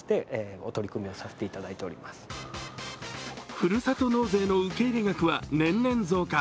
ふるさと納税の受入額は年々増加。